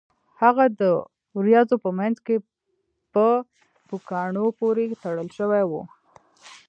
هغه د ورېځو په مینځ کې په پوکاڼو پورې تړل شوی و